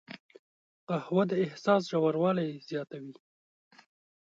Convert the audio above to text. قهوه د احساس ژوروالی زیاتوي